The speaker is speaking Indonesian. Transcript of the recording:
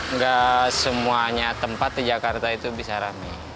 nggak semuanya tempat di jakarta itu bisa rame